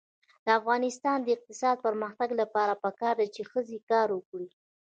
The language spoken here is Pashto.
د افغانستان د اقتصادي پرمختګ لپاره پکار ده چې ښځې کار وکړي.